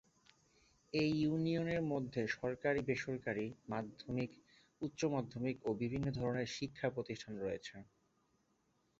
এই ইউনিয়নের মধ্যে সরকারী-বেসরকারী, মাধ্যমিক, উচ্চমাধ্যমিক ও বিভিন্ন ধরনের শিক্ষা প্রতিষ্ঠান রয়েছে।